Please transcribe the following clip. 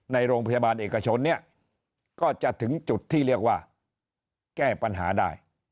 ในโรงพยาบาลเอกชนเนี่ยก็จะถึงจุดที่เรียกว่าแก้ปัญหาได้